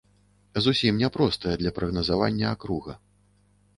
Зусім няпростая для прагназавання акруга.